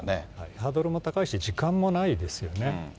ハードルも高いし、時間もないですよね。